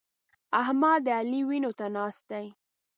احمد د علي وينو ته ناست دی.